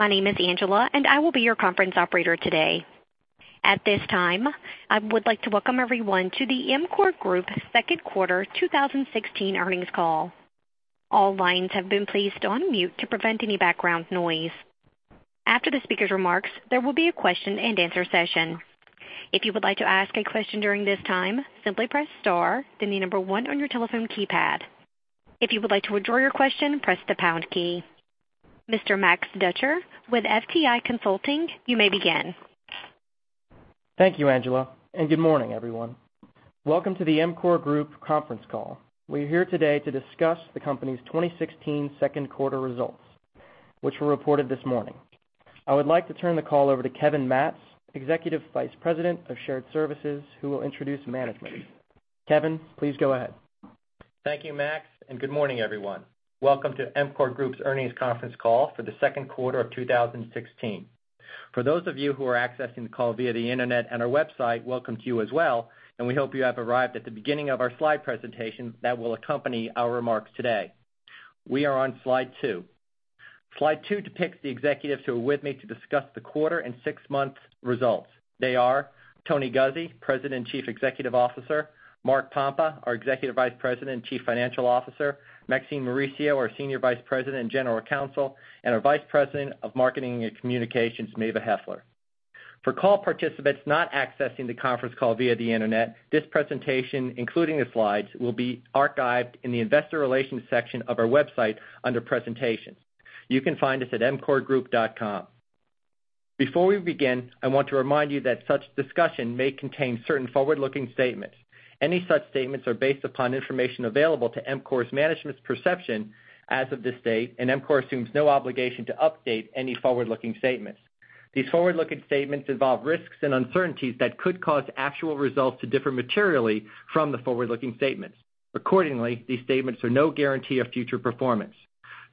My name is Angela, and I will be your conference operator today. At this time, I would like to welcome everyone to the EMCOR Group second quarter 2016 earnings call. All lines have been placed on mute to prevent any background noise. After the speaker's remarks, there will be a question and answer session. If you would like to ask a question during this time, simply press star, then the number one on your telephone keypad. If you would like to withdraw your question, press the pound key. Mr. Max Dutcher with FTI Consulting, you may begin. Thank you, Angela, and good morning, everyone. Welcome to the EMCOR Group conference call. We're here today to discuss the company's 2016 second quarter results, which were reported this morning. I would like to turn the call over to Kevin Matz, Executive Vice President of Shared Services, who will introduce management. Kevin, please go ahead. Thank you, Max, and good morning, everyone. Welcome to EMCOR Group's earnings conference call for the second quarter of 2016. For those of you who are accessing the call via the internet and our website, welcome to you as well, and we hope you have arrived at the beginning of our slide presentation that will accompany our remarks today. We are on slide two. Slide two depicts the executives who are with me to discuss the quarter and six-month results. They are Tony Guzzi, President and Chief Executive Officer, Mark Pompa, our Executive Vice President and Chief Financial Officer, Maxine Mauricio, our Senior Vice President and General Counsel, and our Vice President of Marketing and Communications, Maeva Heffler. For call participants not accessing the conference call via the internet, this presentation, including the slides, will be archived in the investor relations section of our website under presentations. You can find us at emcorgroup.com. Before we begin, I want to remind you that such discussion may contain certain forward-looking statements. Any such statements are based upon information available to EMCOR's management's perception as of this date. EMCOR assumes no obligation to update any forward-looking statements. These forward-looking statements involve risks and uncertainties that could cause actual results to differ materially from the forward-looking statements. Accordingly, these statements are no guarantee of future performance.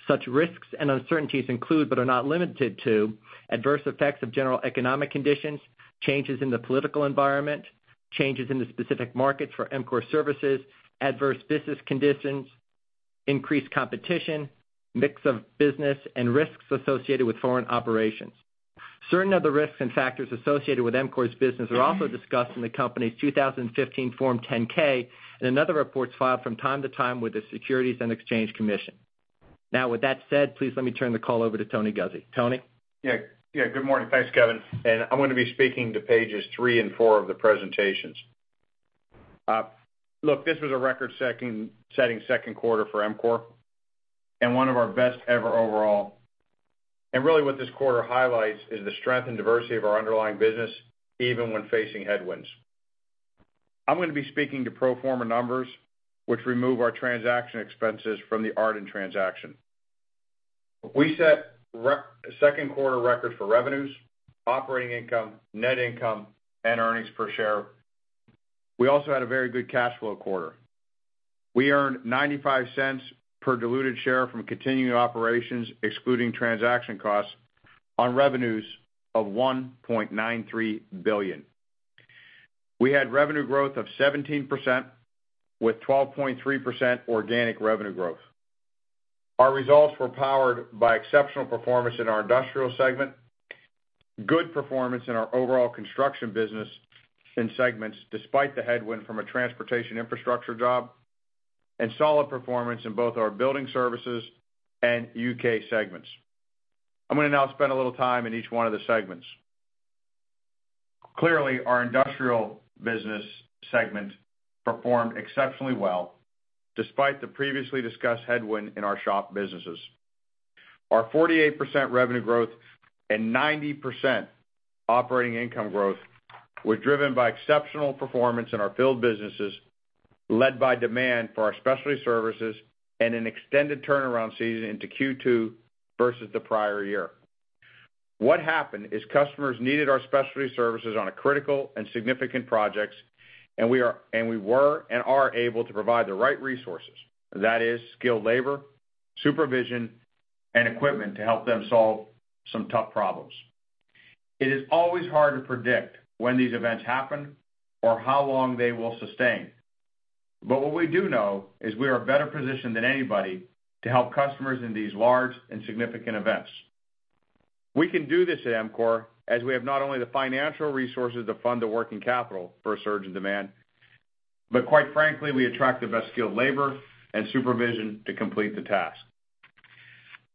Such risks and uncertainties include, but are not limited to adverse effects of general economic conditions, changes in the political environment, changes in the specific market for EMCOR services, adverse business conditions, increased competition, mix of business and risks associated with foreign operations. Certain other risks and factors associated with EMCOR's business are also discussed in the company's 2015 Form 10-K and in other reports filed from time to time with the Securities and Exchange Commission. With that said, please let me turn the call over to Tony Guzzi. Tony? Yeah. Good morning. Thanks, Kevin. I'm going to be speaking to pages three and four of the presentations. Look, this was a record-setting second quarter for EMCOR and one of our best ever overall. Really what this quarter highlights is the strength and diversity of our underlying business, even when facing headwinds. I'm going to be speaking to pro forma numbers, which remove our transaction expenses from the Ardent transaction. We set second quarter records for revenues, operating income, net income, and earnings per share. We also had a very good cash flow quarter. We earned $0.95 per diluted share from continuing operations, excluding transaction costs on revenues of $1.93 billion. We had revenue growth of 17% with 12.3% organic revenue growth. Our results were powered by exceptional performance in our Industrial segment, good performance in our overall construction business in segments, despite the headwind from a transportation infrastructure job, and solid performance in both our building services and UK segments. I'm going to now spend a little time in each one of the segments. Clearly, our Industrial business segment performed exceptionally well despite the previously discussed headwind in our shop businesses. Our 48% revenue growth and 90% operating income growth were driven by exceptional performance in our field businesses, led by demand for our specialty services and an extended turnaround season into Q2 versus the prior year. What happened is customers needed our specialty services on critical and significant projects, and we were and are able to provide the right resources. That is skilled labor, supervision, and equipment to help them solve some tough problems. It is always hard to predict when these events happen or how long they will sustain. What we do know is we are better positioned than anybody to help customers in these large and significant events. We can do this at EMCOR as we have not only the financial resources to fund the working capital for a surge in demand, but quite frankly, we attract the best skilled labor and supervision to complete the task.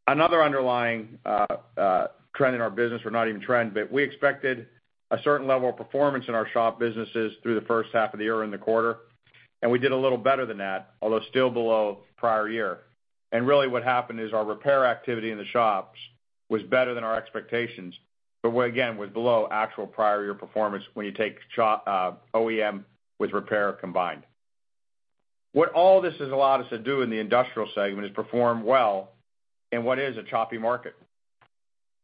Another underlying trend in our business, or not even trend, we expected a certain level of performance in our shop businesses through the first half of the year or in the quarter, and we did a little better than that, although still below prior year. Really what happened is our repair activity in the shops was better than our expectations, again, was below actual prior year performance when you take OEM with repair combined. What all this has allowed us to do in the industrial segment is perform well in what is a choppy market.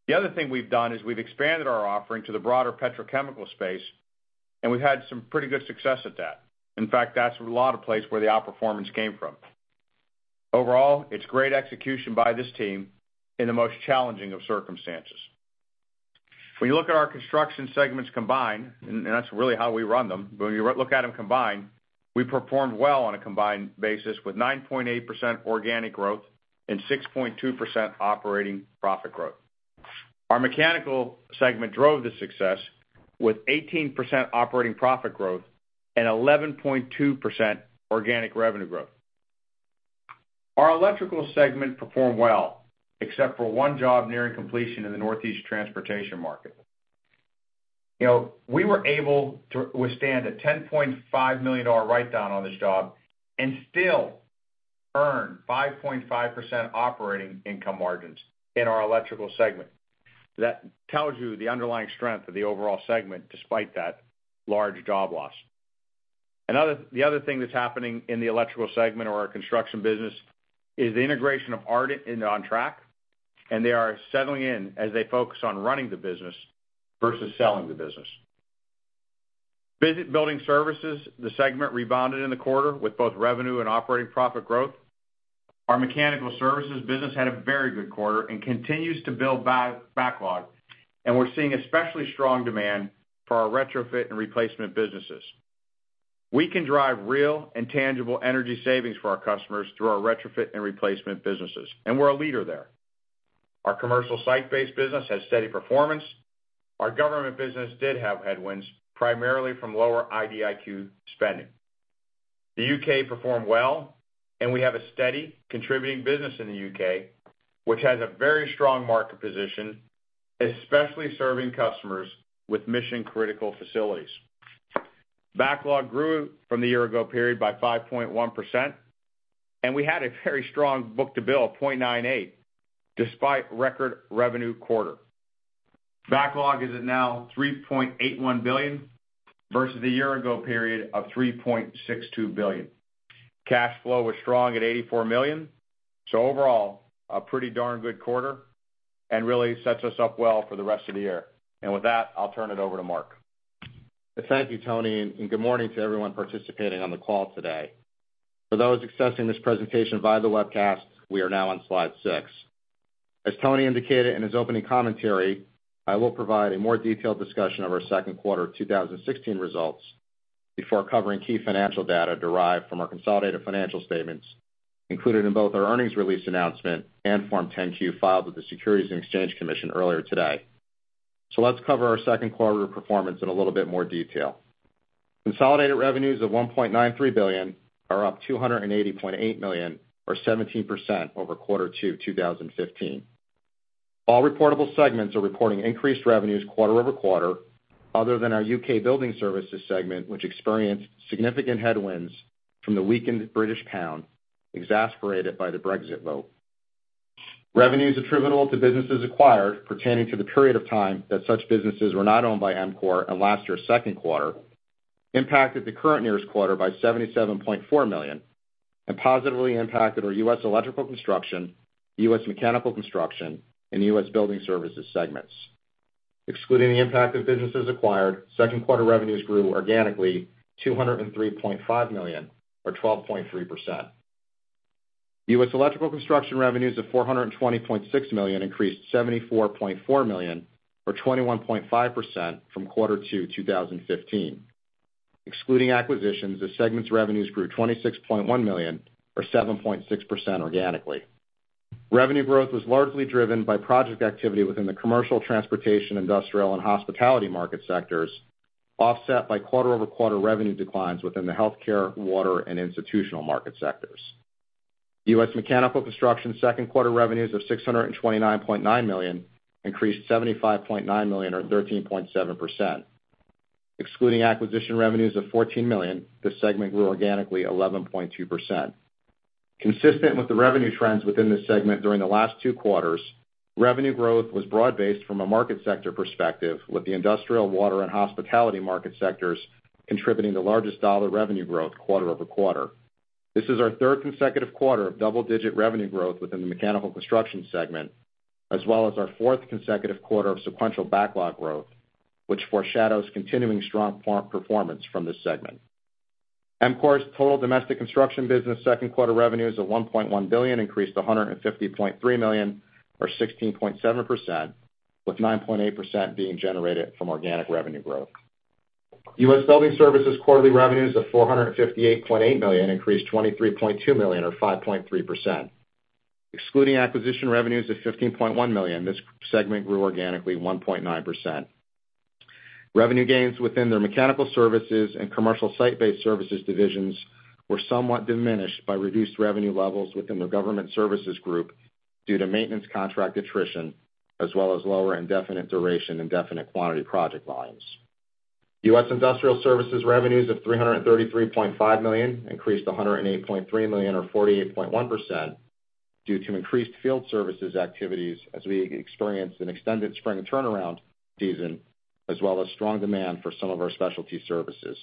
The other thing we've done is we've expanded our offering to the broader petrochemical space, we've had some pretty good success at that. In fact, that's a lot of place where the outperformance came from. Overall, it's great execution by this team in the most challenging of circumstances. When you look at our construction segments combined, and that's really how we run them, but when you look at them combined, we performed well on a combined basis with 9.8% organic growth and 6.2% operating profit growth. Our mechanical segment drove the success with 18% operating profit growth and 11.2% organic revenue growth. Our electrical segment performed well, except for one job nearing completion in the Northeast transportation market. We were able to withstand a $10.5 million write-down on this job and still earn 5.5% operating income margins in our electrical segment. That tells you the underlying strength of the overall segment, despite that large job loss. The other thing that's happening in the electrical segment or our construction business is the integration of Ardent into OnTrack, they are settling in as they focus on running the business versus selling the business. U.S. Building Services, the segment rebounded in the quarter with both revenue and operating profit growth. Our mechanical services business had a very good quarter and continues to build backlog, we're seeing especially strong demand for our retrofit and replacement businesses. We can drive real and tangible energy savings for our customers through our retrofit and replacement businesses, we're a leader there. Our commercial site-based business has steady performance. Our government business did have headwinds, primarily from lower IDIQ spending. The U.K. performed well, and we have a steady, contributing business in the U.K., which has a very strong market position, especially serving customers with mission-critical facilities. Backlog grew from the year-ago period by 5.1%, we had a very strong book-to-bill of 0.98 despite record revenue quarter. Backlog is at now $3.81 billion versus the year-ago period of $3.62 billion. Cash flow was strong at $84 million. Overall, a pretty darn good quarter and really sets us up well for the rest of the year. With that, I'll turn it over to Mark. Thank you, Tony, and good morning to everyone participating on the call today. For those accessing this presentation via the webcast, we are now on slide six. As Tony indicated in his opening commentary, I will provide a more detailed discussion of our second quarter 2016 results before covering key financial data derived from our consolidated financial statements included in both our earnings release announcement and Form 10-Q filed with the Securities and Exchange Commission earlier today. Let's cover our second quarter performance in a little bit more detail. Consolidated revenues of $1.93 billion are up $280.8 million or 17% over quarter two 2015. All reportable segments are reporting increased revenues quarter-over-quarter, other than our U.K. Building Services segment, which experienced significant headwinds from the weakened British pound, exacerbated by the Brexit vote. Revenues attributable to businesses acquired pertaining to the period of time that such businesses were not owned by EMCOR in last year's second quarter impacted the current nearest quarter by $77.4 million and positively impacted our U.S. Electrical Construction, U.S. Mechanical Construction, and U.S. Building Services segments. Excluding the impact of businesses acquired, second quarter revenues grew organically $203.5 million or 12.3%. U.S. Electrical Construction revenues of $420.6 million increased $74.4 million or 21.5% from quarter two 2015. Excluding acquisitions, this segment's revenues grew $26.1 million or 7.6% organically. Revenue growth was largely driven by project activity within the commercial transportation, industrial, and hospitality market sectors, offset by quarter-over-quarter revenue declines within the healthcare, water, and institutional market sectors. U.S. Mechanical Construction's second quarter revenues of $629.9 million increased $75.9 million or 13.7%. Excluding acquisition revenues of $14 million, this segment grew organically 11.2%. Consistent with the revenue trends within this segment during the last two quarters, revenue growth was broad-based from a market sector perspective, with the industrial, water, and hospitality market sectors contributing the largest dollar revenue growth quarter-over-quarter. This is our third consecutive quarter of double-digit revenue growth within the Mechanical Construction segment, as well as our fourth consecutive quarter of sequential backlog growth, which foreshadows continuing strong performance from this segment. EMCOR's total domestic construction business second quarter revenues of $1.1 billion increased $150.3 million or 16.7%, with 9.8% being generated from organic revenue growth. U.S. Building Services' quarterly revenues of $458.8 million increased $23.2 million or 5.3%. Excluding acquisition revenues of $15.1 million, this segment grew organically 1.9%. Revenue gains within their Mechanical Services and Commercial Site-Based Services divisions were somewhat diminished by reduced revenue levels within the Government Services Group due to maintenance contract attrition, as well as lower indefinite duration and definite quantity project volumes. U.S. Industrial Services revenues of $333.5 million increased $108.3 million or 48.1% due to increased field services activities as we experienced an extended spring turnaround season, as well as strong demand for some of our specialty services.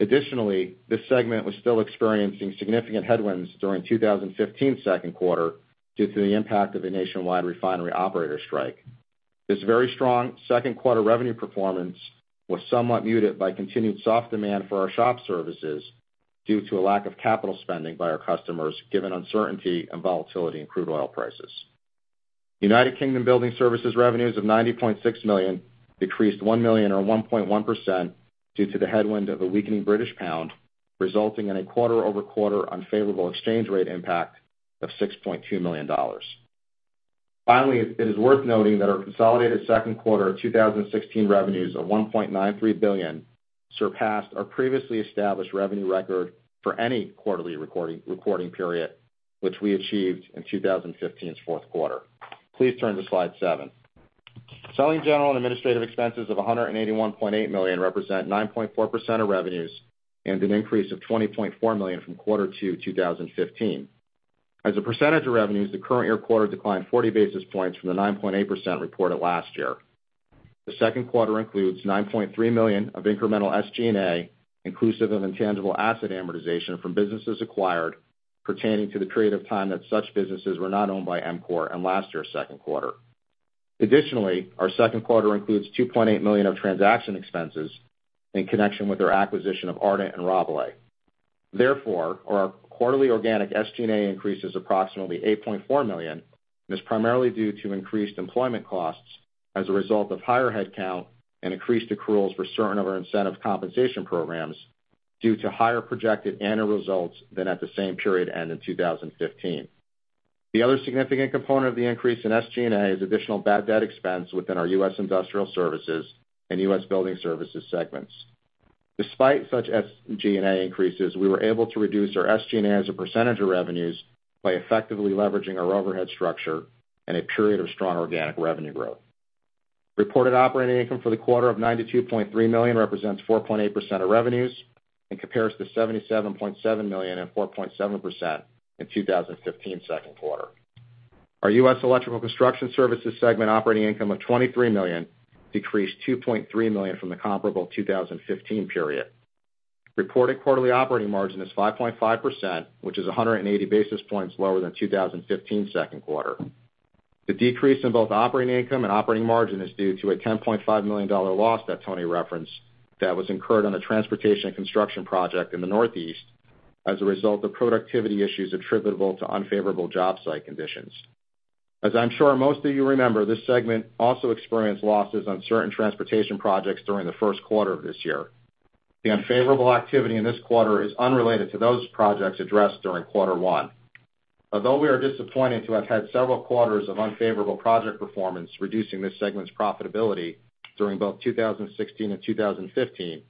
Additionally, this segment was still experiencing significant headwinds during 2015's second quarter due to the impact of a nationwide refinery operator strike. This very strong second quarter revenue performance was somewhat muted by continued soft demand for our shop services due to a lack of capital spending by our customers, given uncertainty and volatility in crude oil prices. United Kingdom Building Services revenues of 90.6 million decreased one million or 1.1% due to the headwind of a weakening British pound, resulting in a quarter-over-quarter unfavorable exchange rate impact of $6.2 million. Finally, it is worth noting that our consolidated second quarter 2016 revenues of $1.93 billion surpassed our previously established revenue record for any quarterly recording period, which we achieved in 2015's fourth quarter. Please turn to slide seven. Selling, general, and administrative expenses of $181.8 million represent 9.4% of revenues and an increase of $20.4 million from quarter two 2015. As a percentage of revenues, the current year quarter declined 40 basis points from the 9.8% reported last year. The second quarter includes $9.3 million of incremental SG&A inclusive of intangible asset amortization from businesses acquired pertaining to the period of time that such businesses were not owned by EMCOR in last year's second quarter. Additionally, our second quarter includes $2.8 million of transaction expenses in connection with our acquisition of Ardent and Rabalais. Therefore, our quarterly organic SG&A increase is approximately $8.4 million and is primarily due to increased employment costs as a result of higher headcount and increased accruals for certain of our incentive compensation programs due to higher projected annual results than at the same period end in 2015. The other significant component of the increase in SG&A is additional bad debt expense within our US Industrial Services and US Building Services segments. Despite such SG&A increases, we were able to reduce our SG&A as a percentage of revenues by effectively leveraging our overhead structure in a period of strong organic revenue growth. Reported operating income for the quarter of $92.3 million represents 4.8% of revenues and compares to $77.7 million and 4.7% in 2015's second quarter. Our US Electrical Construction Services segment operating income of $23 million decreased $2.3 million from the comparable 2015 period. Reported quarterly operating margin is 5.5%, which is 180 basis points lower than 2015's second quarter. The decrease in both operating income and operating margin is due to a $10.5 million loss that Tony referenced that was incurred on a transportation and construction project in the Northeast as a result of productivity issues attributable to unfavorable job site conditions. As I'm sure most of you remember, this segment also experienced losses on certain transportation projects during the first quarter of this year. The unfavorable activity in this quarter is unrelated to those projects addressed during quarter one. We are disappointed to have had several quarters of unfavorable project performance reducing this segment's profitability during both 2016 and 2015.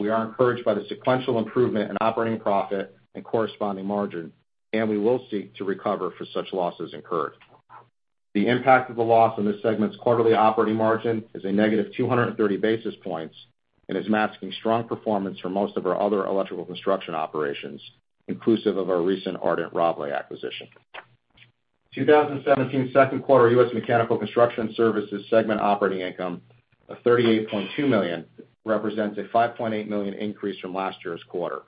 We are encouraged by the sequential improvement in operating profit and corresponding margin, and we will seek to recover for such losses incurred. The impact of the loss on this segment's quarterly operating margin is a negative 230 basis points and is masking strong performance for most of our other electrical construction operations, inclusive of our recent Ardent Rabalais acquisition. 2016's second quarter US Mechanical Construction Services segment operating income of $38.2 million represents a $5.8 million increase from last year's quarter.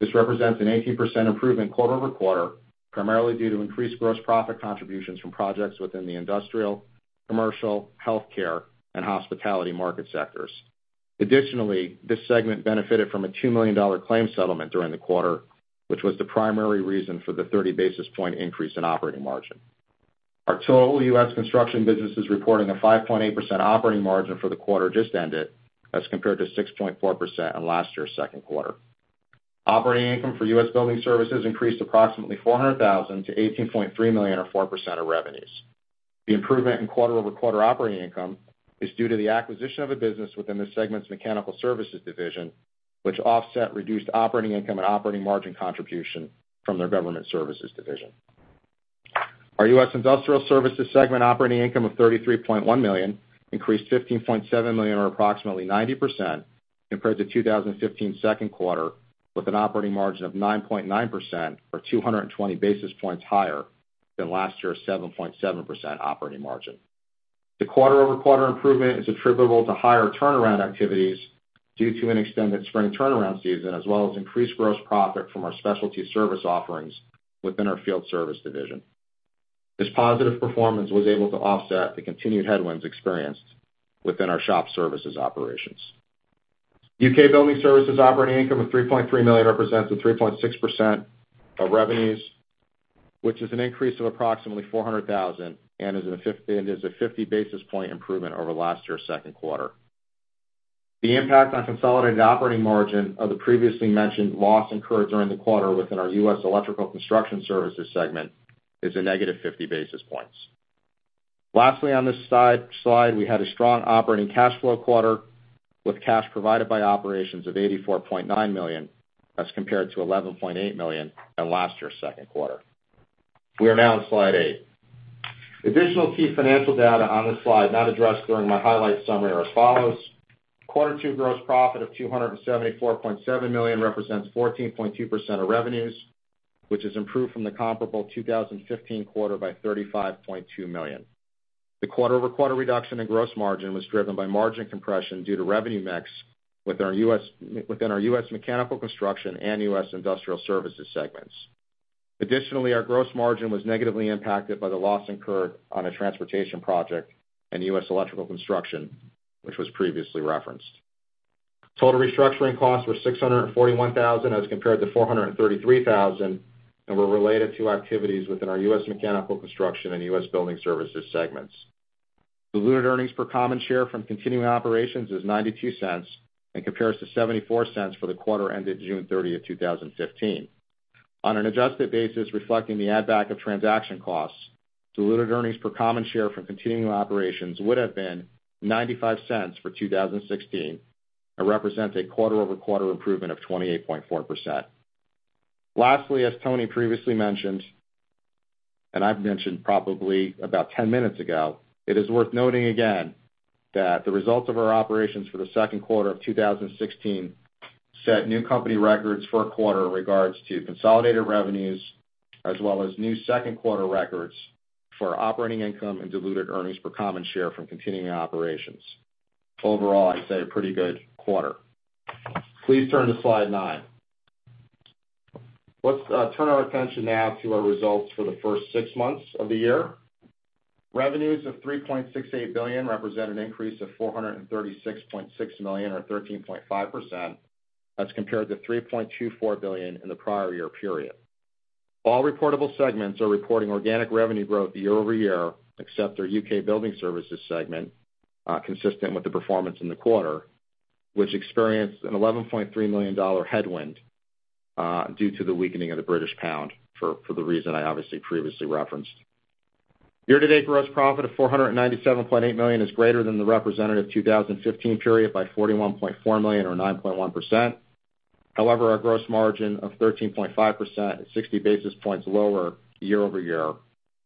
This represents an 18% improvement quarter-over-quarter, primarily due to increased gross profit contributions from projects within the industrial, commercial, healthcare, and hospitality market sectors. This segment benefited from a $2 million claim settlement during the quarter, which was the primary reason for the 30 basis point increase in operating margin. Our total U.S. construction business is reporting a 5.8% operating margin for the quarter just ended as compared to 6.4% in last year's second quarter. Operating income for US Building Services increased approximately $400,000 to $18.3 million or 4% of revenues. The improvement in quarter-over-quarter operating income is due to the acquisition of a business within the segment's mechanical services division, which offset reduced operating income and operating margin contribution from their government services division. Our US Industrial Services segment operating income of $33.1 million increased $15.7 million or approximately 90% compared to 2015's second quarter with an operating margin of 9.9% or 220 basis points higher than last year's 7.7% operating margin. The quarter-over-quarter improvement is attributable to higher turnaround activities due to an extended spring turnaround season, as well as increased gross profit from our specialty service offerings within our field service division. This positive performance was able to offset the continued headwinds experienced within our shop services operations. UK Building Services operating income of $3.3 million represents 3.6% of revenues, which is an increase of approximately $400,000 and is a 50 basis point improvement over last year's second quarter. The impact on consolidated operating margin of the previously mentioned loss incurred during the quarter within our US Electrical Construction Services segment is a negative 50 basis points. Lastly, on this slide, we had a strong operating cash flow quarter with cash provided by operations of $84.9 million as compared to $11.8 million in last year's second quarter. We are now on slide eight. Additional key financial data on this slide not addressed during my highlights summary are as follows. Quarter two gross profit of $274.7 million represents 14.2% of revenues, which has improved from the comparable 2015 quarter by $35.2 million. The quarter-over-quarter reduction in gross margin was driven by margin compression due to revenue mix within our US Mechanical Construction and US Industrial Services segments. Additionally, our gross margin was negatively impacted by the loss incurred on a transportation project in US Electrical Construction, which was previously referenced. Total restructuring costs were $641,000 as compared to $433,000, and were related to activities within our US Mechanical Construction and US Building Services segments. Diluted earnings per common share from continuing operations is $0.92 and compares to $0.74 for the quarter ended June 30th, 2015. On an adjusted basis, reflecting the add back of transaction costs, diluted earnings per common share from continuing operations would have been $0.95 for 2016 and represents a quarter-over-quarter improvement of 28.4%. Lastly, as Tony previously mentioned, and I've mentioned probably about 10 minutes ago, it is worth noting again that the results of our operations for the second quarter of 2016 set new company records for a quarter in regards to consolidated revenues as well as new second quarter records for operating income and diluted earnings per common share from continuing operations. Overall, I'd say a pretty good quarter. Please turn to slide nine. Let's turn our attention now to our results for the first six months of the year. Revenues of $3.68 billion represent an increase of $436.6 million or 13.5% as compared to $3.24 billion in the prior year period. All reportable segments are reporting organic revenue growth year-over-year except our UK Building Services segment, consistent with the performance in the quarter, which experienced a GBP 11.3 million headwind due to the weakening of the British pound for the reason I obviously previously referenced. Year-to-date gross profit of $497.8 million is greater than the representative 2015 period by $41.4 million or 9.1%. However, our gross margin of 13.5% is 60 basis points lower year-over-year,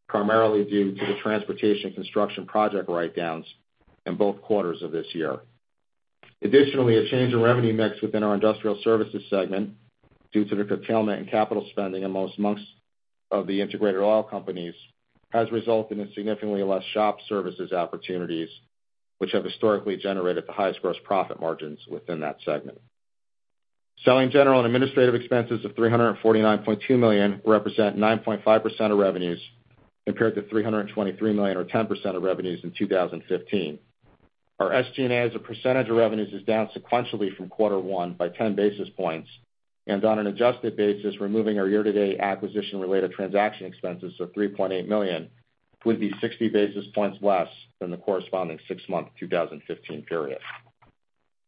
primarily due to the transportation construction project write-downs in both quarters of this year. Additionally, a change in revenue mix within our Industrial Services segment due to the curtailment in capital spending amongst of the integrated oil companies has resulted in significantly less shop services opportunities, which have historically generated the highest gross profit margins within that segment. Selling, general and administrative expenses of $349.2 million represent 9.5% of revenues compared to $323 million or 10% of revenues in 2015. Our SG&A as a percentage of revenues is down sequentially from quarter one by 10 basis points. On an adjusted basis, removing our year-to-date acquisition related transaction expenses of $3.8 million, would be 60 basis points less than the corresponding six-month 2015 period.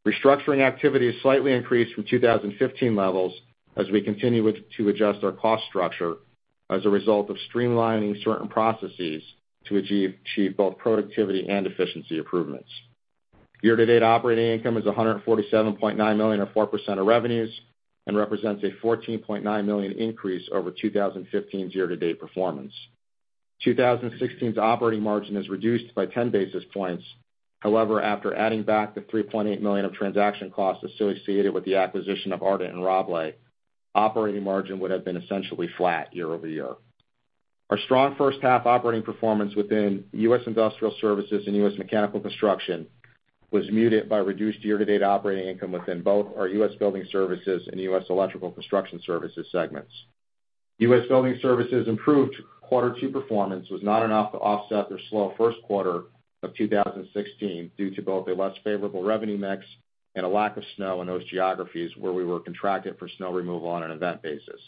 Restructuring activity is slightly increased from 2015 levels as we continue to adjust our cost structure as a result of streamlining certain processes to achieve both productivity and efficiency improvements. Year-to-date operating income is $147.9 million or 4% of revenues and represents a $14.9 million increase over 2015's year-to-date performance. 2016's operating margin is reduced by 10 basis points. After adding back the $3.8 million of transaction costs associated with the acquisition of Ardent and Rabalais, operating margin would have been essentially flat year-over-year. Our strong first half operating performance within US Industrial Services and US Mechanical Construction was muted by reduced year-to-date operating income within both our US Building Services and US Electrical Construction Services segments. US Building Services improved quarter two performance was not enough to offset their slow first quarter of 2016 due to both a less favorable revenue mix and a lack of snow in those geographies where we were contracted for snow removal on an event basis.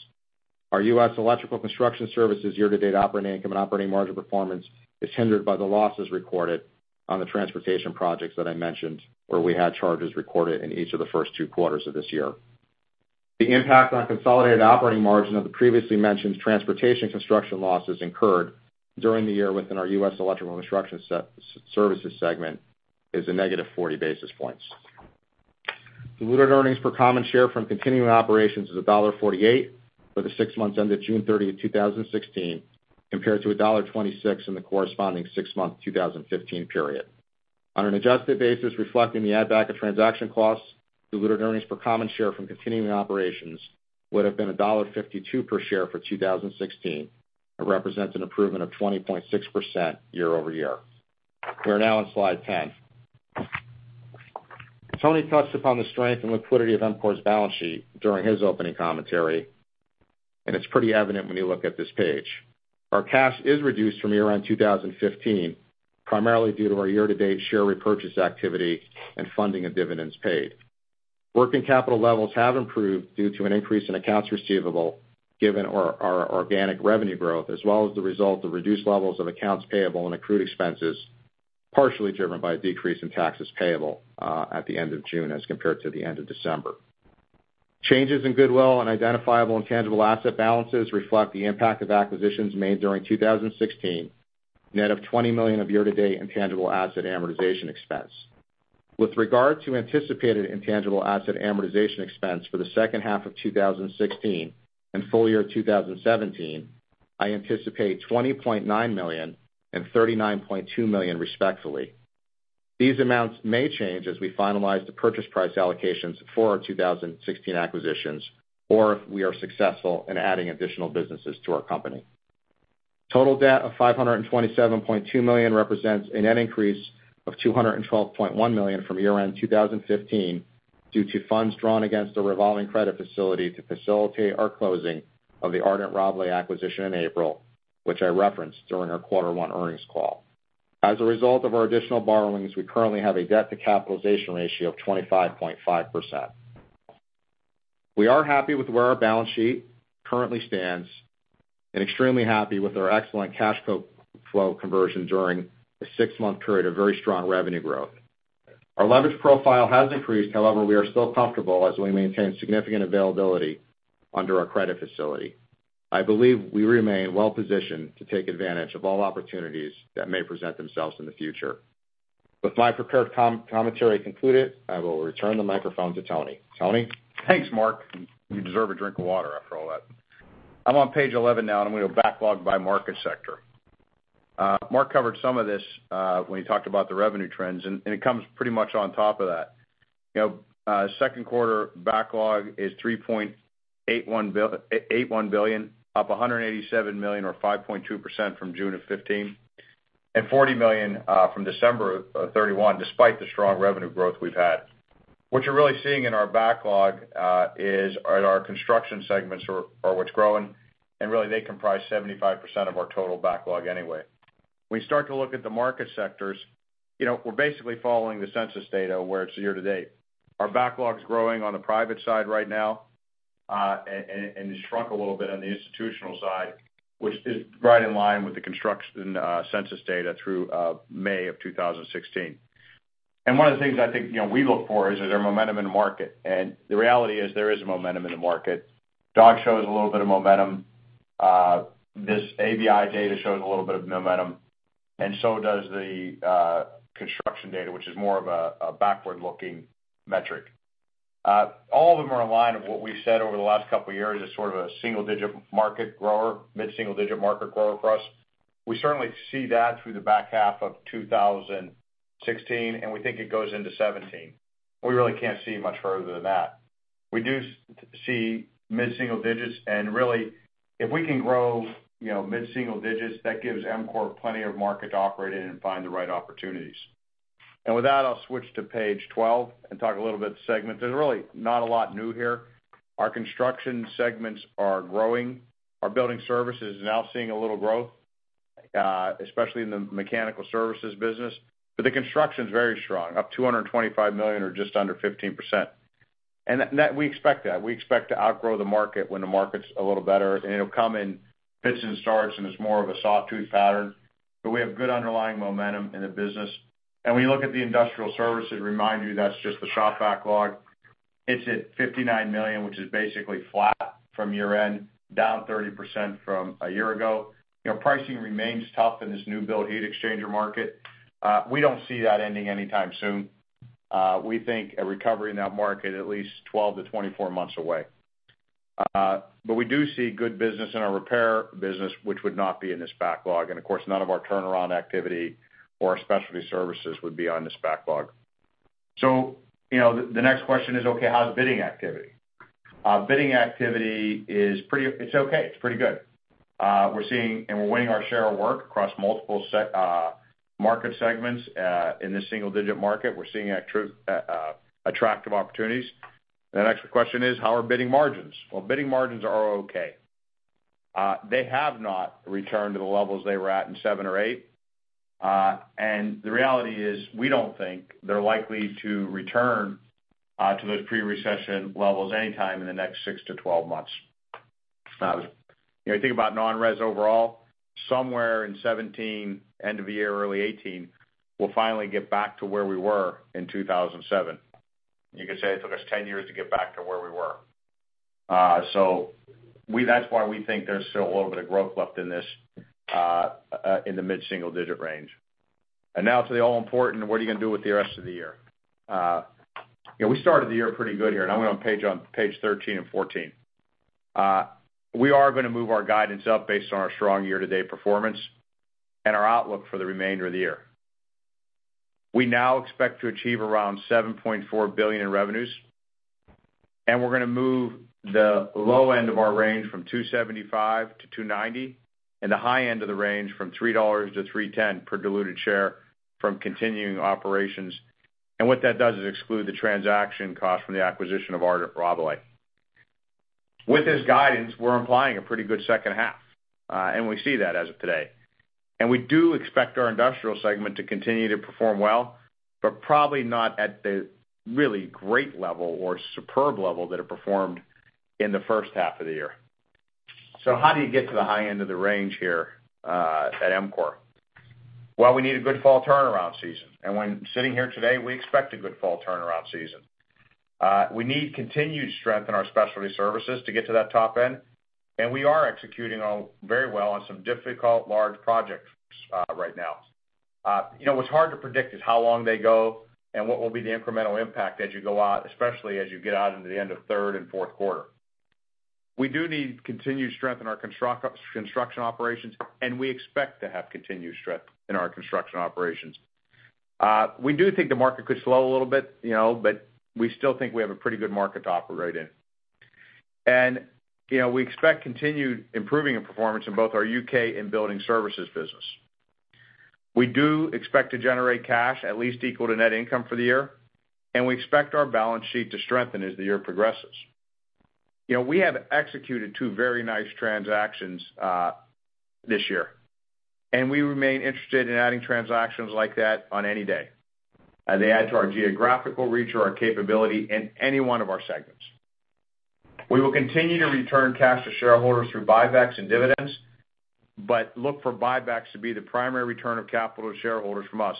Our US Electrical Construction Services year-to-date operating income and operating margin performance is hindered by the losses recorded on the transportation projects that I mentioned where we had charges recorded in each of the first two quarters of this year. The impact on consolidated operating margin of the previously mentioned transportation construction losses incurred during the year within our US Electrical Construction Services segment is a negative 40 basis points. Diluted earnings per common share from continuing operations is $1.48 for the six months ended June 30, 2016 compared to $1.26 in the corresponding six-month 2015 period. On an adjusted basis, reflecting the add back of transaction costs, diluted earnings per common share from continuing operations would have been $1.52 per share for 2016 and represents an improvement of 20.6% year-over-year. We are now on slide 10. Tony touched upon the strength and liquidity of EMCOR's balance sheet during his opening commentary, it's pretty evident when you look at this page. Our cash is reduced from year-end 2015, primarily due to our year-to-date share repurchase activity and funding of dividends paid. Working capital levels have improved due to an increase in accounts receivable given our organic revenue growth as well as the result of reduced levels of accounts payable and accrued expenses, partially driven by a decrease in taxes payable at the end of June as compared to the end of December. Changes in goodwill and identifiable intangible asset balances reflect the impact of acquisitions made during 2016, net of $20 million of year-to-date intangible asset amortization expense. With regard to anticipated intangible asset amortization expense for the second half of 2016 and full year 2017, I anticipate $20.9 million and $39.2 million, respectively. These amounts may change as we finalize the purchase price allocations for our 2016 acquisitions or if we are successful in adding additional businesses to our company. Total debt of $527.2 million represents a net increase of $212.1 million from year-end 2015, due to funds drawn against the revolving credit facility to facilitate our closing of the Ardent Rabalais acquisition in April, which I referenced during our quarter one earnings call. As a result of our additional borrowings, we currently have a debt-to-capitalization ratio of 25.5%. We are happy with where our balance sheet currently stands and extremely happy with our excellent cash flow conversion during a six-month period of very strong revenue growth. Our leverage profile has increased. However, we are still comfortable as we maintain significant availability under our credit facility. I believe we remain well-positioned to take advantage of all opportunities that may present themselves in the future. With my prepared commentary concluded, I will return the microphone to Tony. Tony? Thanks, Mark. You deserve a drink of water after all that. I am on page 11 now, and I am going to backlog by market sector. Mark covered some of this when he talked about the revenue trends, and it comes pretty much on top of that. Second quarter backlog is $3.81 billion, up $187 million or 5.2% from June of 2015, and $40 million from December 31, despite the strong revenue growth we have had. What you are really seeing in our backlog is our construction segments are what is growing, and really they comprise 75% of our total backlog anyway. We start to look at the market sectors. We are basically following the census data where it is year to date. Our backlog is growing on the private side right now, and it shrunk a little bit on the institutional side, which is right in line with the construction census data through May of 2016. One of the things I think we look for is there momentum in the market? And the reality is, there is momentum in the market. Dodge shows a little bit of momentum. This ABI data shows a little bit of momentum, and so does the construction data, which is more of a backward-looking metric. All of them are in line of what we have said over the last couple of years as sort of a single-digit market grower, mid-single-digit market grower for us. We certainly see that through the back half of 2016, and we think it goes into 2017. We really cannot see much further than that. We do see mid-single digits, and really, if we can grow mid-single digits, that gives EMCOR plenty of market to operate in and find the right opportunities. And with that, I will switch to page 12 and talk a little bit segments. There is really not a lot new here. Our construction segments are growing. Our building services is now seeing a little growth, especially in the mechanical services business. But the construction is very strong, up $225 million or just under 15%. And we expect that. We expect to outgrow the market when the market is a little better, and it will come in fits and starts, and it is more of a sawtooth pattern. But we have good underlying momentum in the business. And when you look at the industrial services, remind you, that is just the shop backlog. It is at $59 million, which is basically flat from year-end, down 30% from a year ago. Pricing remains tough in this new build heat exchanger market. We do not see that ending anytime soon. We think a recovery in that market at least 12-24 months away. We do see good business in our repair business, which would not be in this backlog. Of course, none of our turnaround activity or our specialty services would be on this backlog. The next question is, okay, how's the bidding activity? Bidding activity, it's okay. It's pretty good. We're seeing and we're winning our share of work across multiple market segments. In this single-digit market, we're seeing attractive opportunities. The next question is, how are bidding margins? Well, bidding margins are okay. They have not returned to the levels they were at in 2007 or 2008. The reality is, we don't think they're likely to return to those pre-recession levels anytime in the next six to 12 months. If you think about non-res overall, somewhere in 2017, end of the year, early 2018, we'll finally get back to where we were in 2007. You could say it took us 10 years to get back to where we were. That's why we think there's still a little bit of growth left in the mid-single-digit range. Now to the all-important, what are you going to do with the rest of the year? We started the year pretty good here, I went on page 13 and 14. We are going to move our guidance up based on our strong year-to-date performance and our outlook for the remainder of the year. We now expect to achieve around $7.4 billion in revenues, we're going to move the low end of our range from $2.75 to $2.90 and the high end of the range from $3 to $3.10 per diluted share from continuing operations. What that does is exclude the transaction cost from the acquisition of Ardent Rabalais. With this guidance, we're implying a pretty good second half, we see that as of today. We do expect our industrial segment to continue to perform well, but probably not at the really great level or superb level that it performed in the first half of the year. How do you get to the high end of the range here at EMCOR? Well, we need a good fall turnaround season, when sitting here today, we expect a good fall turnaround season. We need continued strength in our specialty services to get to that top end, we are executing very well on some difficult, large projects right now. What's hard to predict is how long they go and what will be the incremental impact as you go out, especially as you get out into the end of third and fourth quarter. We do need continued strength in our construction operations, we expect to have continued strength in our construction operations. We do think the market could slow a little bit, we still think we have a pretty good market to operate in. We expect continued improving of performance in both our U.K. Building Services and building services business. We do expect to generate cash at least equal to net income for the year, we expect our balance sheet to strengthen as the year progresses. We have executed two very nice transactions this year, we remain interested in adding transactions like that on any day, as they add to our geographical reach or our capability in any one of our segments. We will continue to return cash to shareholders through buybacks and dividends, look for buybacks to be the primary return of capital to shareholders from us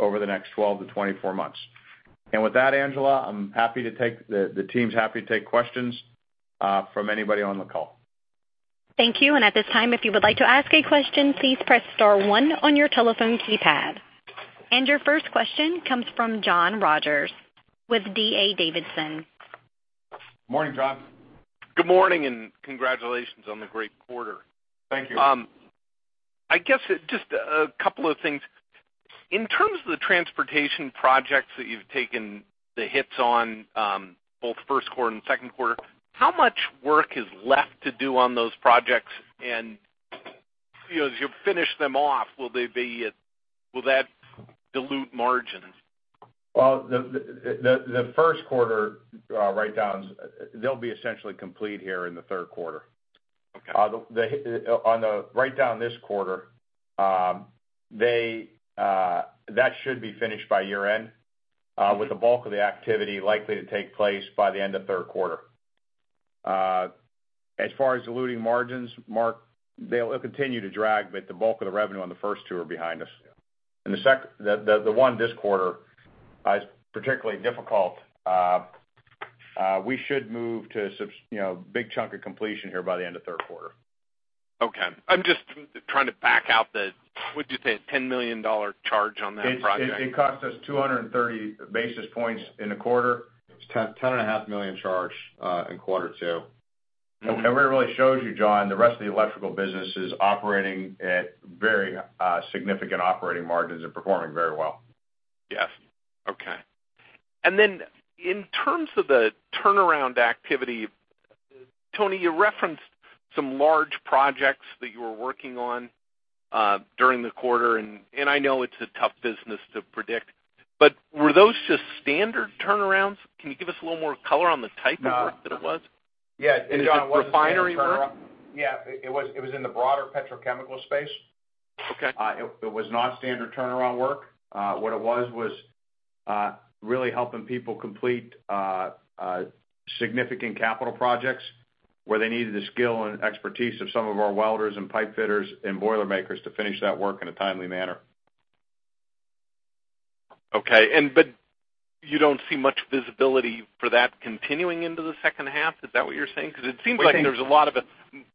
over the next 12 to 24 months. With that, Angela, the team's happy to take questions from anybody on the call. Thank you. At this time, if you would like to ask a question, please press star one on your telephone keypad. Your first question comes from John Rogers with D.A. Davidson. Morning, John. Good morning. Congratulations on the great quarter. Thank you. I guess just a couple of things. In terms of the transportation projects that you've taken the hits on, both first quarter and second quarter, how much work is left to do on those projects? As you finish them off, will that dilute margins? Well, the first quarter write-downs, they'll be essentially complete here in the third quarter. Okay. On the write-down this quarter, that should be finished by year-end, with the bulk of the activity likely to take place by the end of third quarter. As far as diluting margins, Mark, they'll continue to drag, but the bulk of the revenue on the first two are behind us. The one this quarter is particularly difficult. We should move to big chunk of completion here by the end of third quarter. Okay. I'm just trying to back out the, what'd you say, $10 million charge on that project? It cost us 230 basis points in the quarter. It's a $10.5 million charge in quarter two. Where it really shows you, John, the rest of the electrical business is operating at very significant operating margins and performing very well. Yes. Okay. In terms of the turnaround activity, Tony, you referenced some large projects that you were working on during the quarter, and I know it's a tough business to predict, but were those just standard turnarounds? Can you give us a little more color on the type of work that it was? Yeah. John. Was it refinery work? Yeah, it was in the broader petrochemical space. Okay. It was not standard turnaround work. What it was really helping people complete significant capital projects where they needed the skill and expertise of some of our welders and pipefitters and boilermakers to finish that work in a timely manner. Okay, you don't see much visibility for that continuing into the second half? Is that what you're saying? It seems like there's a lot of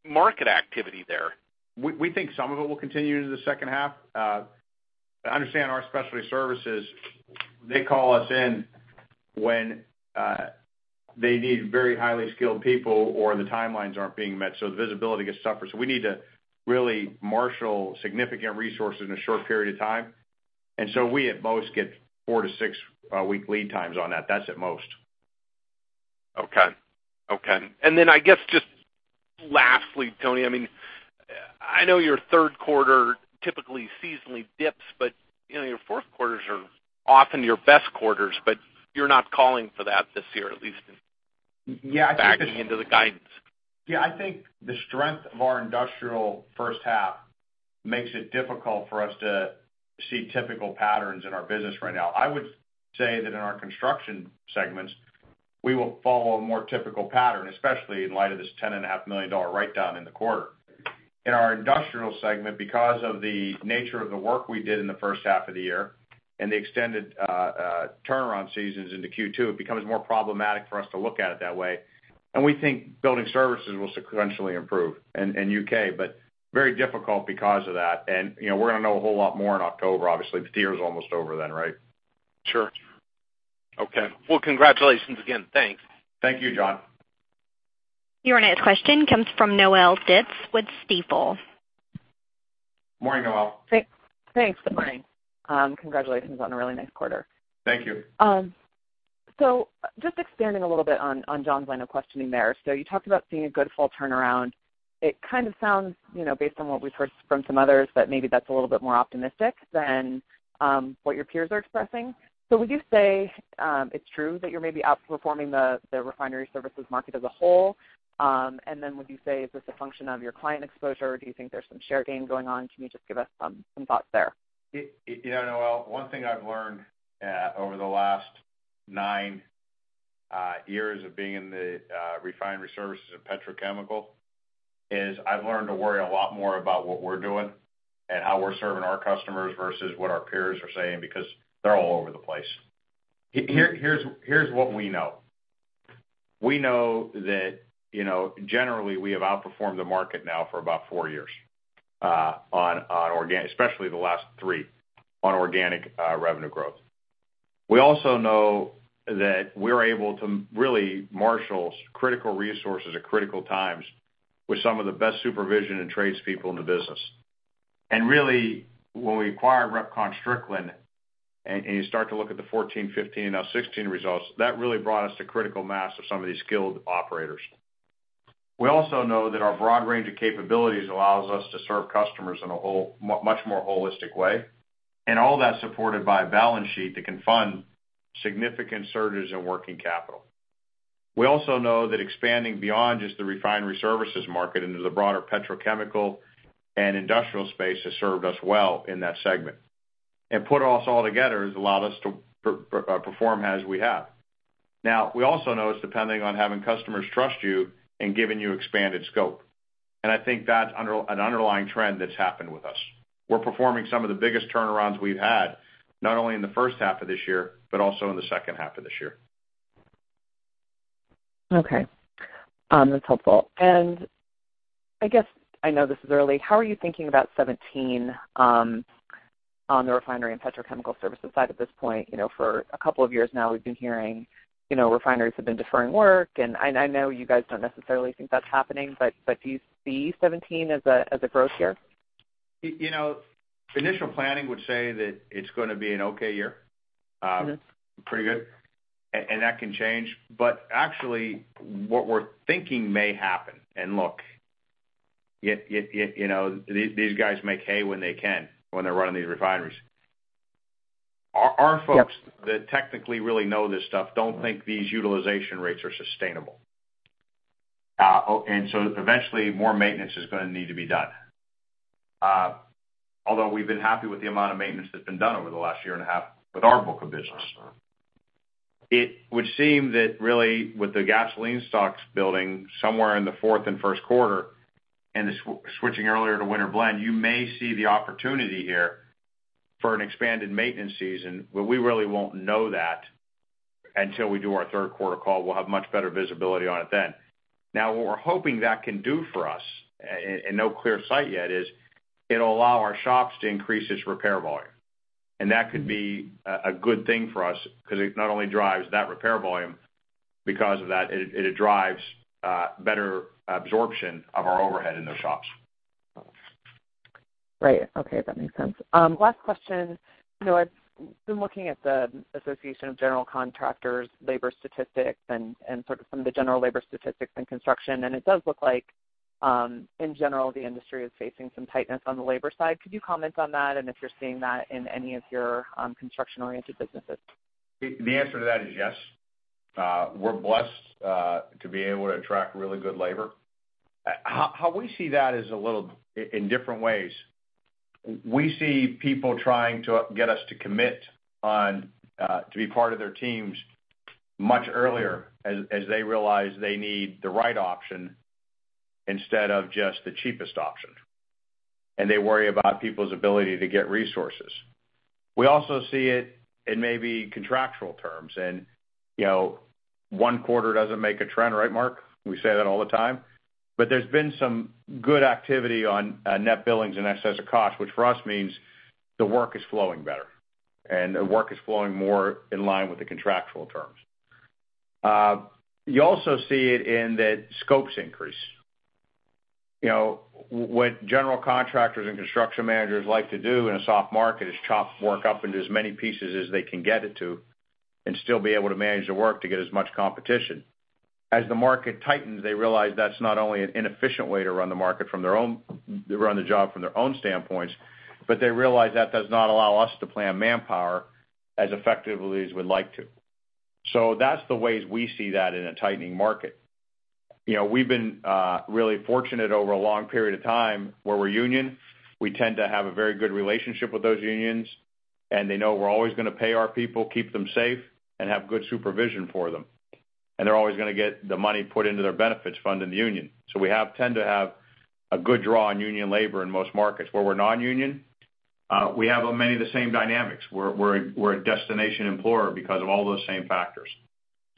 market activity there. We think some of it will continue into the second half. Understand our specialty services, they call us in when they need very highly skilled people or the timelines aren't being met, so the visibility gets tougher. We need to really marshal significant resources in a short period of time. We at most get four to six week lead times on that. That's at most. Then I guess just lastly, Tony, I know your third quarter typically seasonally dips, your fourth quarters are often your best quarters, you're not calling for that this year, at least in- Yeah. -backing into the guidance. Yeah, I think the strength of our industrial first half makes it difficult for us to see typical patterns in our business right now. I would say that in our construction segments, we will follow a more typical pattern, especially in light of this $10.5 million write-down in the quarter. In our industrial segment, because of the nature of the work we did in the first half of the year and the extended turnaround seasons into Q2, it becomes more problematic for us to look at it that way. We think building services will sequentially improve in U.K., but very difficult because of that. We're going to know a whole lot more in October, obviously. The year is almost over then, right? Sure. Okay. Well, congratulations again. Thanks. Thank you, John. Your next question comes from Noelle Dilts with Stifel. Morning, Noelle. Thanks. Good morning. Congratulations on a really nice quarter. Thank you. Just expanding a little bit on John's line of questioning there. You talked about seeing a good fall turnaround. It kind of sounds, based on what we've heard from some others, that maybe that's a little bit more optimistic than what your peers are expressing. Would you say it's true that you're maybe outperforming the refinery services market as a whole? Then would you say, is this a function of your client exposure, or do you think there's some share gain going on? Can you just give us some thoughts there? Noelle, one thing I've learned over the last nine years of being in the refinery services and petrochemical is I've learned to worry a lot more about what we're doing and how we're serving our customers versus what our peers are saying because they're all over the place. Here's what we know. We know that generally, we have outperformed the market now for about four years, especially the last three, on organic revenue growth. We also know that we're able to really marshal critical resources at critical times with some of the best supervision and trades people in the business. Really, when we acquired RepconStrickland, and you start to look at the 2014, 2015, now 2016 results, that really brought us to critical mass of some of these skilled operators. We also know that our broad range of capabilities allows us to serve customers in a much more holistic way, and all that supported by a balance sheet that can fund significant surges in working capital. We also know that expanding beyond just the refinery services market into the broader petrochemical and industrial space has served us well in that segment. Put us all together has allowed us to perform as we have. We also know it's depending on having customers trust you and giving you expanded scope. I think that's an underlying trend that's happened with us. We're performing some of the biggest turnarounds we've had, not only in the first half of this year, but also in the second half of this year. Okay. That's helpful. I guess I know this is early, how are you thinking about 2017 on the refinery and petrochemical services side at this point? For a couple of years now, we've been hearing refineries have been deferring work, and I know you guys don't necessarily think that's happening, but do you see 2017 as a growth year? Initial planning would say that it's going to be an okay year. Okay. Pretty good. That can change. Actually, what we're thinking may happen, and look, these guys make hay when they can when they're running these refineries. Yep. Our folks that technically really know this stuff don't think these utilization rates are sustainable. Eventually, more maintenance is going to need to be done. Although we've been happy with the amount of maintenance that's been done over the last year and a half with our book of business. It would seem that really with the gasoline stocks building somewhere in the fourth and first quarter and the switching earlier to winter blend, you may see the opportunity here for an expanded maintenance season, but we really won't know that until we do our third quarter call. We'll have much better visibility on it then. What we're hoping that can do for us, and no clear sight yet, is it'll allow our shops to increase its repair volume. That could be a good thing for us because it not only drives that repair volume, because of that, it drives better absorption of our overhead in those shops. Right. Okay, that makes sense. Last question. I've been looking at the Associated General Contractors labor statistics and sort of some of the general labor statistics in construction, it does look like, in general, the industry is facing some tightness on the labor side. Could you comment on that and if you're seeing that in any of your construction-oriented businesses? The answer to that is yes. We're blessed to be able to attract really good labor. How we see that is in different ways. We see people trying to get us to commit to be part of their teams much earlier as they realize they need the right option instead of just the cheapest option. They worry about people's ability to get resources. We also see it in maybe contractual terms, one quarter doesn't make a trend, right, Mark? We say that all the time. There's been some good activity on net billings and excess of cost, which for us means the work is flowing better, and the work is flowing more in line with the contractual terms. You also see it in that scopes increase. What general contractors and construction managers like to do in a soft market is chop work up into as many pieces as they can get it to and still be able to manage the work to get as much competition. As the market tightens, they realize that's not only an inefficient way to run the job from their own standpoints, but they realize that does not allow us to plan manpower as effectively as we'd like to. That's the ways we see that in a tightening market. We've been really fortunate over a long period of time where we're union. We tend to have a very good relationship with those unions, and they know we're always going to pay our people, keep them safe, and have good supervision for them. They're always going to get the money put into their benefits fund in the union. We tend to have a good draw on union labor in most markets. Where we're non-union, we have many of the same dynamics. We're a destination employer because of all those same factors.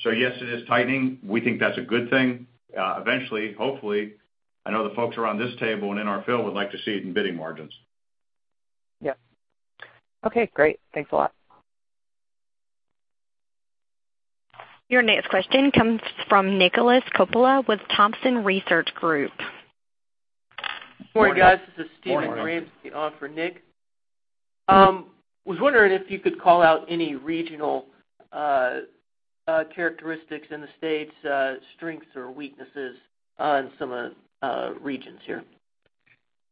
Yes, it is tightening. We think that's a good thing. Eventually, hopefully, I know the folks around this table and in our field would like to see it in bidding margins. Yep. Okay, great. Thanks a lot. Your next question comes from Nicholas Coppola with Thompson Research Group. Good morning, guys. This is Steven Ramsey on for Nick. I was wondering if you could call out any regional characteristics in the U.S., strengths or weaknesses on some regions here.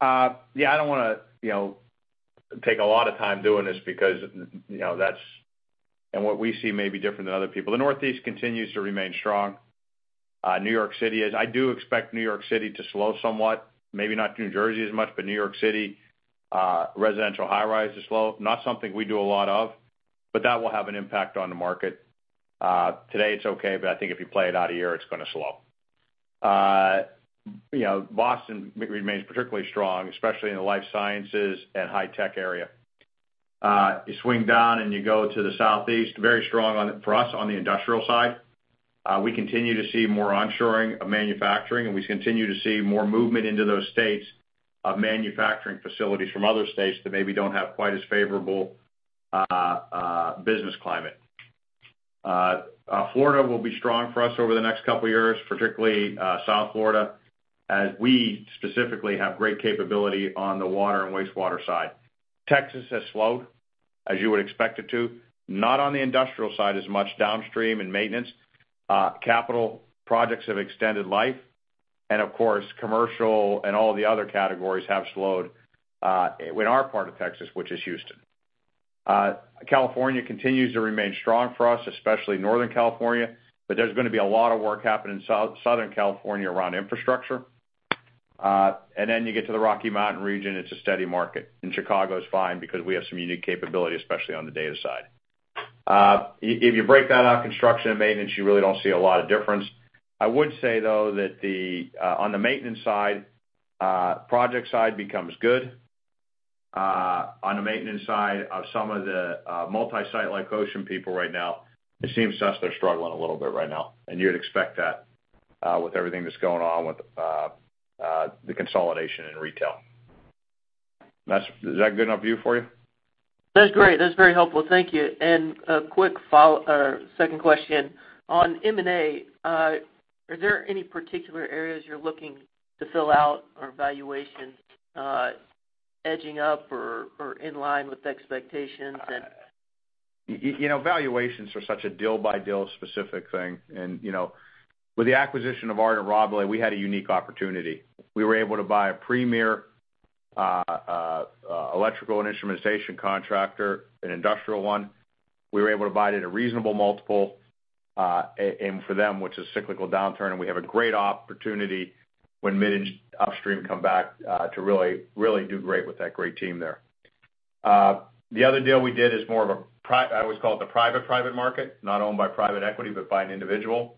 Yeah, I don't want to take a lot of time doing this because what we see may be different than other people. The Northeast continues to remain strong. New York City is. I do expect New York City to slow somewhat, maybe not New Jersey as much, but New York City residential high-rise to slow. Not something we do a lot of, but that will have an impact on the market. Today it's okay, but I think if you play it out a year, it's going to slow. Boston remains particularly strong, especially in the life sciences and high tech area. You swing down, you go to the Southeast, very strong for us on the industrial side. We continue to see more onshoring of manufacturing, we continue to see more movement into those states of manufacturing facilities from other states that maybe don't have quite as favorable business climate. Florida will be strong for us over the next couple of years, particularly South Florida, as we specifically have great capability on the water and wastewater side. Texas has slowed, as you would expect it to, not on the industrial side as much downstream in maintenance. Capital projects have extended life. Of course, commercial and all of the other categories have slowed in our part of Texas, which is Houston. California continues to remain strong for us, especially Northern California, but there's going to be a lot of work happening in Southern California around infrastructure. You get to the Rocky Mountain region, it's a steady market. Chicago's fine because we have some unique capability, especially on the data side. If you break that out, construction and maintenance, you really don't see a lot of difference. I would say, though, that on the maintenance side, project side becomes good. On the maintenance side of some of the multi-site like [Oceanic people] right now, it seems to us they're struggling a little bit right now, you would expect that with everything that's going on with the consolidation in retail. Is that a good enough view for you? That's great. That's very helpful. Thank you. A quick second question. On M&A, are there any particular areas you're looking to fill out or valuation edging up or in line with expectations and Valuations are such a deal-by-deal specific thing. With the acquisition of Ardent and Rabalais, we had a unique opportunity. We were able to buy a premier electrical and instrumentation contractor, an industrial one. We were able to buy it at a reasonable multiple, and for them, which is cyclical downturn, and we have a great opportunity when mid and upstream come back to really do great with that great team there. The other deal we did is more of a, I always call it the private market, not owned by private equity, but by an individual.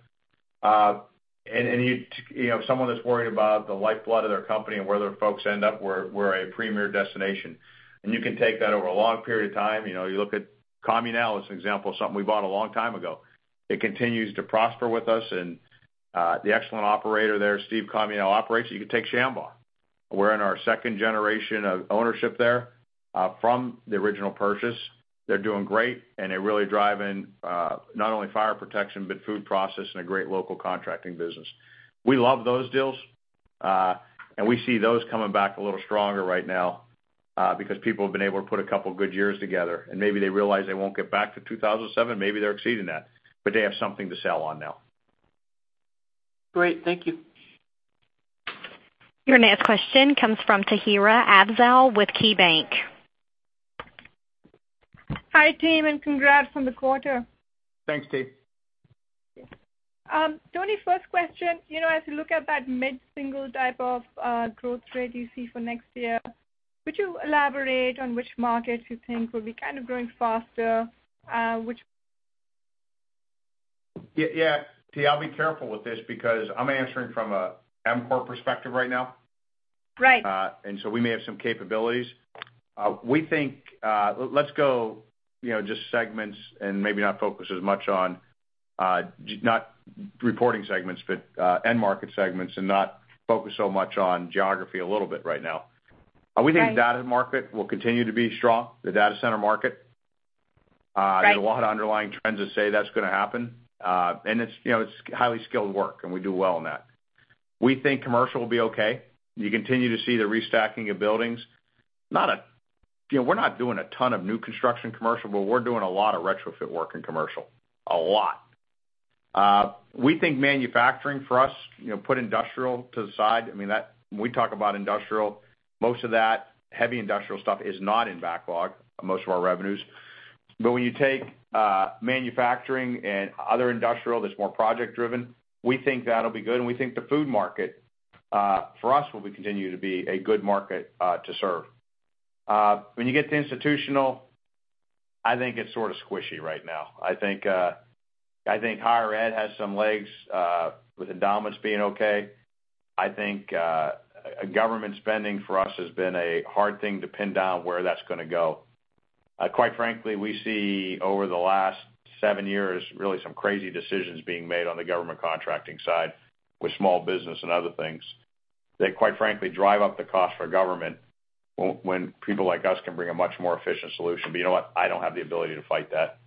Someone that's worried about the lifeblood of their company and where their folks end up, we're a premier destination. You can take that over a long period of time. You look at Communal as an example, something we bought a long time ago. It continues to prosper with us and the excellent operator there, Steve Communal operates it. You can take Shambaugh. We're in our second generation of ownership there from the original purchase. They're doing great, and they're really driving not only fire protection, but food process and a great local contracting business. We love those deals. We see those coming back a little stronger right now, because people have been able to put a couple of good years together, and maybe they realize they won't get back to 2007. Maybe they're exceeding that, but they have something to sell on now. Great. Thank you. Your next question comes from Tahira Afzal with KeyBanc. Hi, team, congrats on the quarter. Thanks, T. Tony, first question. As you look at that mid-single type of growth rate you see for next year, could you elaborate on which markets you think will be kind of growing faster? Yeah. I'll be careful with this because I'm answering from an EMCOR perspective right now. Right. We may have some capabilities. Let's go just segments and maybe not focus as much on, not reporting segments, but end market segments and not focus so much on geography a little bit right now. Okay. We think the data market will continue to be strong, the data center market. Right. There's a lot of underlying trends that say that's going to happen. It's highly skilled work, and we do well in that. We think commercial will be okay. You continue to see the restacking of buildings. We're not doing a ton of new construction commercial, but we're doing a lot of retrofit work in commercial, a lot. We think manufacturing for us, put industrial to the side. When we talk about industrial, most of that heavy industrial stuff is not in backlog, most of our revenues. When you take manufacturing and other industrial that's more project-driven, we think that'll be good, and we think the food market for us will continue to be a good market to serve. When you get to institutional, I think it's sort of squishy right now. I think higher ed has some legs with endowments being okay. I think government spending for us has been a hard thing to pin down where that's going to go. Quite frankly, we see over the last seven years, really some crazy decisions being made on the government contracting side with small business and other things that quite frankly drive up the cost for government when people like us can bring a much more efficient solution. You know what? I don't have the ability to fight that.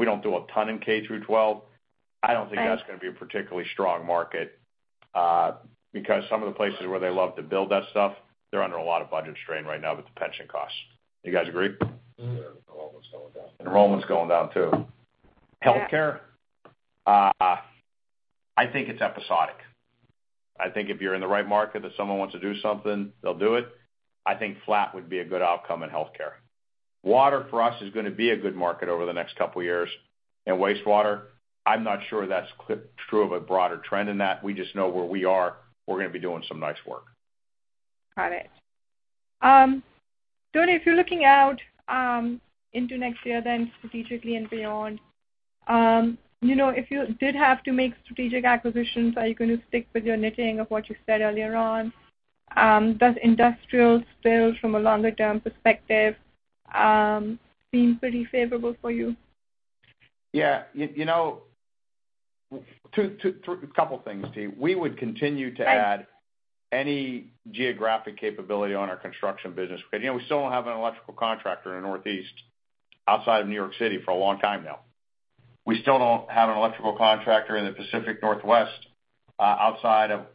We don't do a ton in K-12. Right. I don't think that's going to be a particularly strong market, because some of the places where they love to build that stuff, they're under a lot of budget strain right now with the pension costs. You guys agree? Yeah, enrollment's going down. Enrollment's going down, too. Healthcare, I think it's episodic. I think if you're in the right market that someone wants to do something, they'll do it. I think flat would be a good outcome in healthcare. Water for us is going to be a good market over the next couple of years. Wastewater, I'm not sure that's true of a broader trend in that. We just know where we are. We're going to be doing some nice work. Got it. Tony, if you're looking out into next year, strategically and beyond, if you did have to make strategic acquisitions, are you going to stick with your knitting of what you said earlier on? Does industrial still from a longer-term perspective seem pretty favorable for you? Yeah. A couple things, T. We would continue to add any geographic capability on our construction business, because we still don't have an electrical contractor in the Northeast outside of New York City for a long time now. We still don't have an electrical contractor in the Pacific Northwest, outside of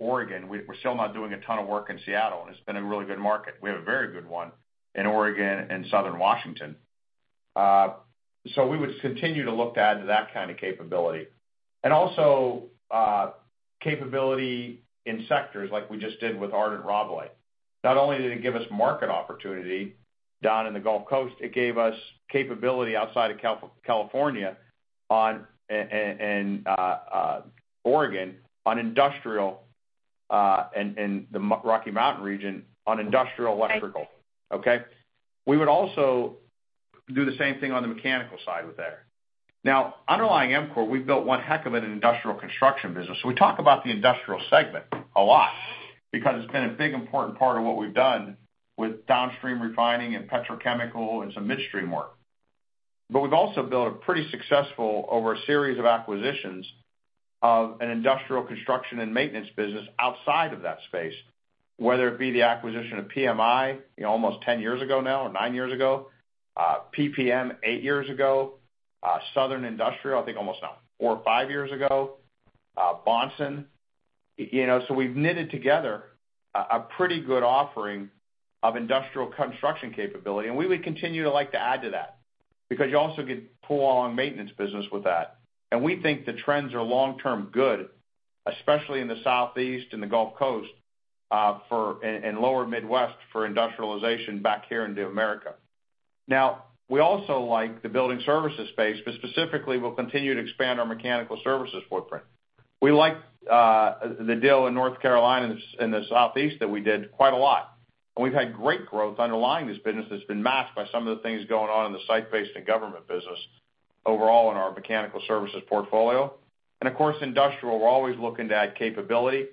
Oregon. We're still not doing a ton of work in Seattle, and it's been a really good market. We have a very good one in Oregon and southern Washington. We would continue to look to add to that kind of capability. Also, capability in sectors like we just did with Ardent Rabalais. Not only did it give us market opportunity down in the Gulf Coast, it gave us capability outside of California and Oregon, and the Rocky Mountain region, on industrial electrical. Okay. We would also do the same thing on the mechanical side with there. Underlying EMCOR, we've built one heck of an industrial construction business. We talk about the industrial segment a lot because it's been a big important part of what we've done with downstream refining and petrochemical and some midstream work. We've also built a pretty successful, over a series of acquisitions, of an industrial construction and maintenance business outside of that space, whether it be the acquisition of PMI almost 10 years ago now or nine years ago, PPM eight years ago, Southern Industrial, I think almost now four or five years ago, Bahnson. We've knitted together a pretty good offering of industrial construction capability, and we would continue to like to add to that, because you also could pull all our maintenance business with that. We think the trends are long-term good, especially in the Southeast and the Gulf Coast, and lower Midwest for industrialization back here into America. We also like the building services space, but specifically, we'll continue to expand our mechanical services footprint. We like the deal in North Carolina in the Southeast that we did quite a lot. We've had great growth underlying this business that's been masked by some of the things going on in the site-based and government business overall in our mechanical services portfolio. Of course, industrial, we're always looking to add capability.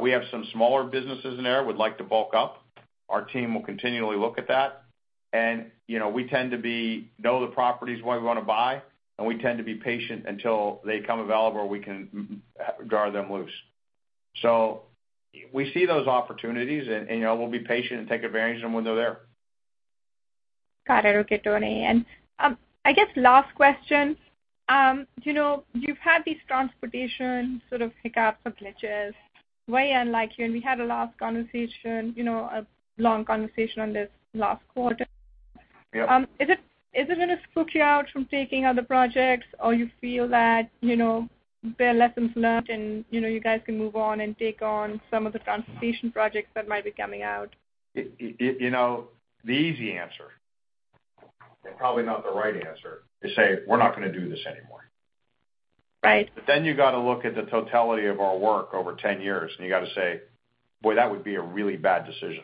We have some smaller businesses in there we'd like to bulk up. Our team will continually look at that. We tend to know the properties we want to buy, and we tend to be patient until they become available, or we can draw them loose. We see those opportunities and we'll be patient and take advantage of them when they're there. Got it. Okay, Tony. I guess last question, you've had these transportation sort of hiccups or glitches, way unlike you, and we had a long conversation on this last quarter. Yep. Is it going to spook you out from taking other projects or you feel that there are lessons learned and you guys can move on and take on some of the transportation projects that might be coming out? The easy answer, and probably not the right answer, is say, "We're not going to do this anymore. Right. You got to look at the totality of our work over 10 years, and you got to say, "Boy, that would be a really bad decision."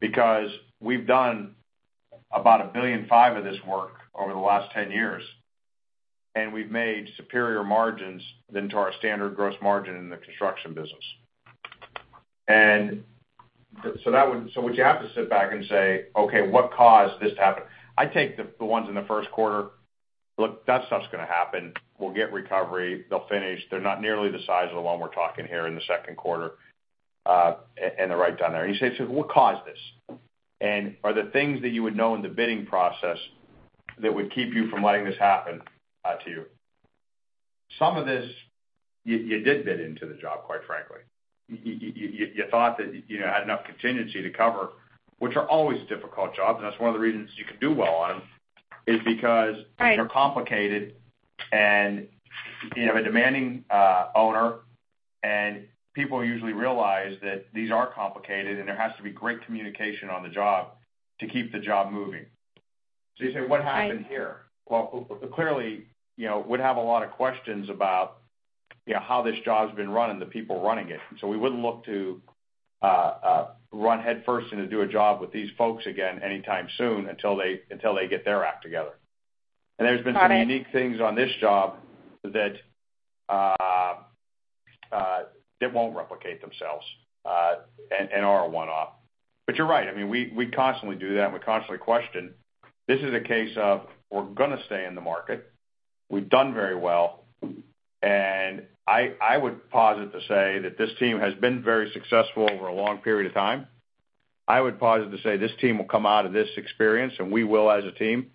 Because we've done about $1.5 billion of this work over the last 10 years, and we've made superior margins into our standard gross margin in the construction business. Would you have to sit back and say, "Okay, what caused this to happen?" I take the ones in the first quarter, look, that stuff's going to happen. We'll get recovery. They'll finish. They're not nearly the size of the one we're talking here in the second quarter and the write-down there. You say, "So what caused this?" Are there things that you would know in the bidding process that would keep you from letting this happen to you? Some of this, you did bid into the job, quite frankly. You thought that you had enough contingency to cover, which are always difficult jobs, and that's one of the reasons you can do well on them, is because- Right they're complicated, you have a demanding owner, people usually realize that these are complicated, and there has to be great communication on the job to keep the job moving. You say, "What happened here? Right. Well, clearly, would have a lot of questions about how this job's been run and the people running it. We wouldn't look to run headfirst into do a job with these folks again anytime soon until they get their act together. Got it. There's been some unique things on this job that won't replicate themselves, and are a one-off. You're right. We constantly do that, and we constantly question. This is a case of we're going to stay in the market. We've done very well, and I would posit to say that this team has been very successful over a long period of time. I would posit to say this team will come out of this experience, and we will as a team,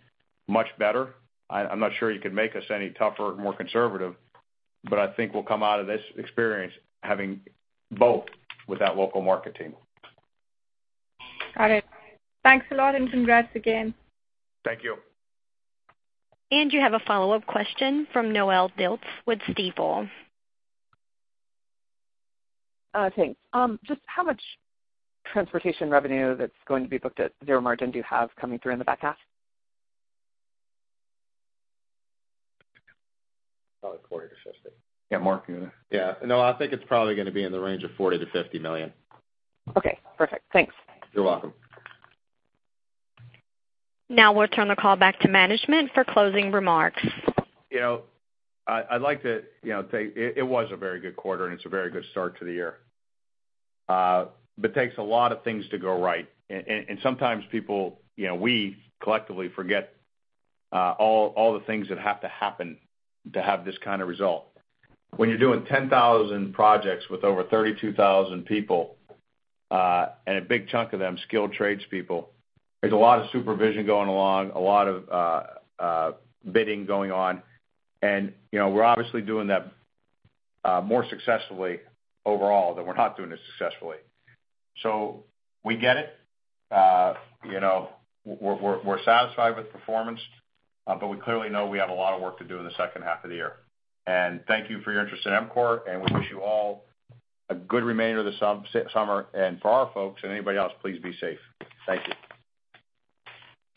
much better. I'm not sure you could make us any tougher, more conservative, but I think we'll come out of this experience having bulked with that local market team. Got it. Thanks a lot, congrats again. Thank you. You have a follow-up question from Noelle Dilts with Stifel. Thanks. Just how much transportation revenue that's going to be booked at zero margin do you have coming through in the back half? Probably $40 or $50. Yeah, Mark, you want to? Yeah. I think it's probably going to be in the range of $40 million to $50 million. Okay, perfect. Thanks. You're welcome. We'll turn the call back to management for closing remarks. I'd like to say it was a very good quarter. It's a very good start to the year. It takes a lot of things to go right, and sometimes people, we collectively forget all the things that have to happen to have this kind of result. When you're doing 10,000 projects with over 32,000 people, and a big chunk of them skilled trades people, there's a lot of supervision going along, a lot of bidding going on, and we're obviously doing that more successfully overall than we're not doing it successfully. We get it. We're satisfied with performance, but we clearly know we have a lot of work to do in the second half of the year. Thank you for your interest in EMCOR, and we wish you all a good remainder of the summer. For our folks and anybody else, please be safe. Thank you.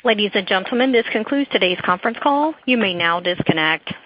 Ladies and gentlemen, this concludes today's conference call. You may now disconnect.